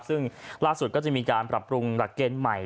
ซึ่งล่าสุดก็จะมีการปรับปรุงหลักเกณฑ์ใหม่